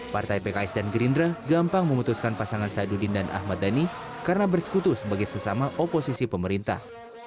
partai pks dan gerindra gampang memutuskan pasangan sadudin dan ahmad dhani karena bersekutu sebagai sesama oposisi pemerintah